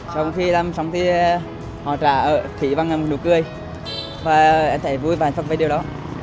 trong khi làm sống thì họ trả khí bằng nụ cười và em thấy vui và hạnh phúc với điều đó